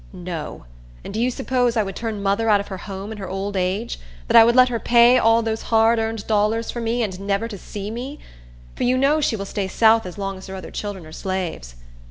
No! And do you suppose I would turn mother out of her home in her old age? That I would let her pay all those hard earned dollars for me, and never to see me? For you know she will stay south as long as her other children are slaves.